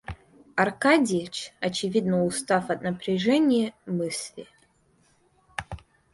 Аркадьич, очевидно устав от напряжения мысли.